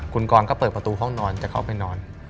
คุณกรก็เปิดประตูห้องนอนจะเข้าไปนอน